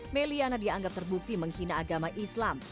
may liana dianggap terbukti menghina agama islam